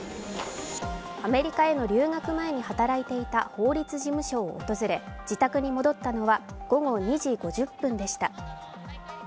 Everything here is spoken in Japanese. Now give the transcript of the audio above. アメリカへの留学前に働いていた法律事務所を訪れ自宅に戻ったのは午後２時５０分でした。